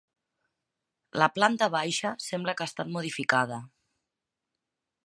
La planta baixa sembla que ha estat modificada.